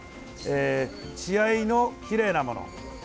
血合いのきれいなもの。